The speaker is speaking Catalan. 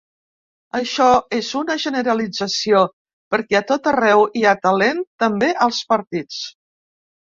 Això és una generalització, perquè a tot arreu hi ha talent, també als partits.